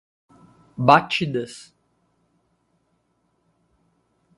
Batidas